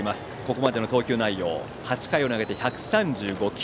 ここまでの投球内容は８回を投げて１３５球。